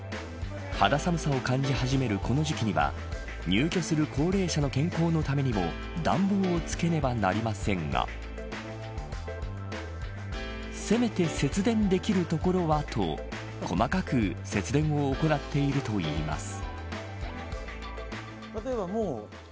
肌寒さを感じ始めるこの時期には入居する高齢者の健康のためにも暖房をつけねばなりませんがせめて、節電できるところはと細かく節電を行っているといいます。